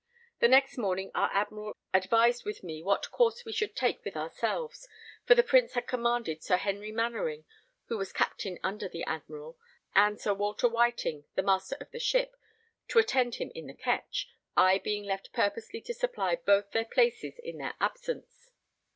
The next morning our Admiral advised with me what course we should take with ourselves, for the Prince had commanded Sir Henry Mainwaring, who was Captain under the Admiral, and Mr. Walter Whiting, the Master of the ship, to attend him in the ketch, I being left purposely to supply both their places in their absence.